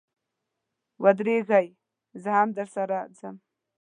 و درېږئ، زه هم درسره ځم.